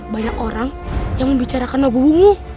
banyak orang yang membicarakan nogowungu